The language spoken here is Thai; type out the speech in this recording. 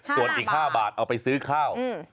ส่วนอีก๕บาทเอาไปซื้อข้าว